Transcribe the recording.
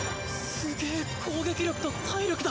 すげぇ攻撃力と体力だ。